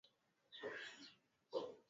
Hutokea katika maeneo ya vichaka na kwenye mito